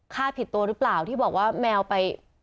ผิดตัวหรือเปล่าที่บอกว่าแมวไป